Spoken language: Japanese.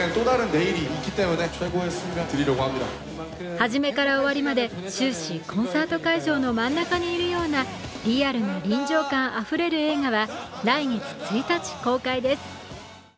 始めから終わりまで終始、コンサート会場の真ん中にいるようなリアルな臨場感あふれる映画は来月１日、公開です。